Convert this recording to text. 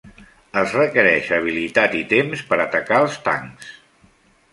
Es requereix habilitat i temps per atacar els tancs.